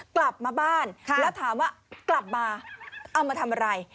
กลับมาบ้านแล้วถามว่ากลับมาเอามาทำอะไร